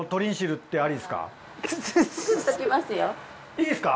いいですか。